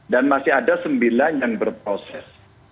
dan masih ada sembilan yang berproses